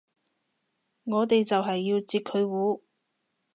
我哋就係要截佢糊